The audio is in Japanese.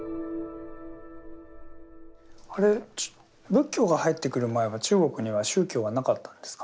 あれ仏教が入ってくる前は中国には宗教はなかったんですか？